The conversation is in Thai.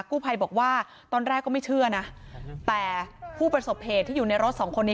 กู้ภัยบอกว่าตอนแรกก็ไม่เชื่อนะแต่ผู้ประสบเหตุที่อยู่ในรถสองคนนี้